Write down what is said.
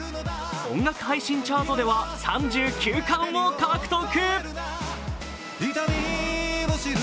音楽配信チャートでは３９冠を獲得。